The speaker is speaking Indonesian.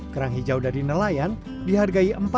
kerang hijau dari nelayan dihargai rp empat puluh per embernya